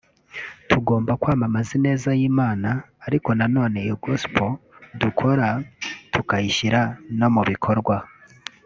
tugomba kwamamaza ineza y’Imana ariko na none iyo ‘gospel’ dukora tukayishyira no mu bikorwa